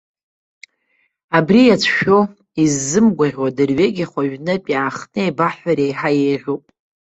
Абри иацәшәо, иззымгәаӷьуа дырҩегьых уажәнатә иаахтны еибаҳҳәар еиҳа еиӷьуп.